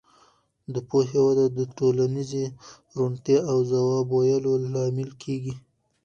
د پوهې وده د ټولنیزې روڼتیا او ځواب ویلو لامل کېږي.